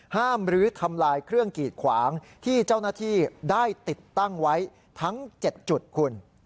หรือทำลายเครื่องกีดขวางที่เจ้าหน้าที่ได้ติดตั้งไว้ทั้ง๗จุดคุณ